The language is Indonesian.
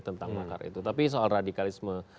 tentang makar itu tapi soal radikalisme